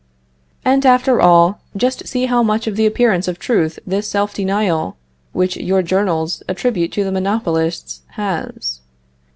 And after all, just see how much of the appearance of truth this self denial, which your journals attribute to the monopolists, has.